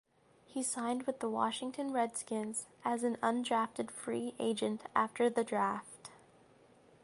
He signed with the Washington Redskins as an undrafted free agent after the Draft.